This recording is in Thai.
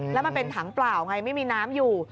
แล้วมันเป็นถังเปล่าไงไม่มีน้ำอยู่